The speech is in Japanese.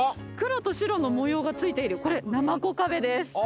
黒と白の模様がついているこれなまこ壁です。